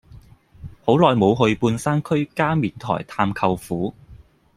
好耐無去半山區加冕台探舅父